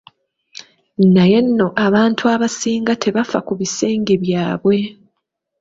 Naye nno abantu abasinga tebafa ku bisenge byabwe.